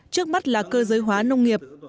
trước mắt là cơ giới hóa nông nghiệp